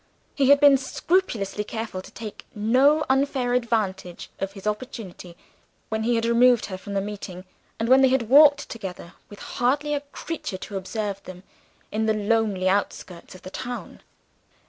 He had been scrupulously careful to take no unfair advantage of his opportunity, when he had removed her from the meeting, and when they had walked together, with hardly a creature to observe them, in the lonely outskirts of the town.